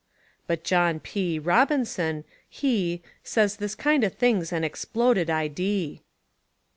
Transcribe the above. But John P. Robinson, he Sez this kind o' thing's an exploded idee.